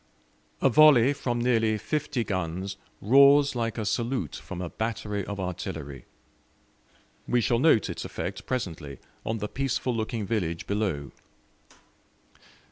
A volley from nearly fifty guns roars like a salute from a battery of artillery: we shall note its effect presently on the peaceful looking village below.